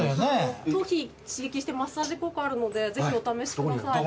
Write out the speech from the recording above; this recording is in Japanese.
頭皮刺激してマッサージ効果あるのでぜひお試しください。